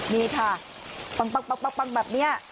นี่ค่ะปังแบบนี้